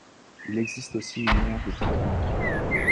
Il existe aussi une aire de pique nique.